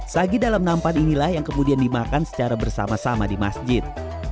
sagi dalam nampan inilah yang kemudian dimakan secara bersama sama di masjid